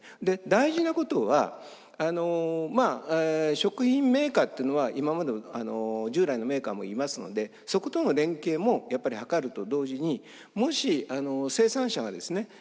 で大事なことは食品メーカーっていうのは今まで従来のメーカーもいますのでそことの連携もやっぱり図ると同時にもし生産者がですね